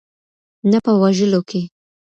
نه په وژلو کې.